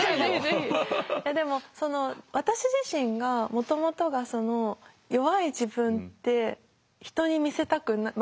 いやでも私自身がもともとがその弱い自分って人に見せたくない